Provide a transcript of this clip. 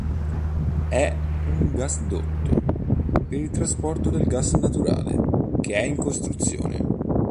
È un gasdotto per il trasporto del gas naturale, che è in costruzione.